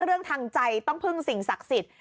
เรื่องทางใจต้องพึ่งสิ่งศักดิ์สิทธิ์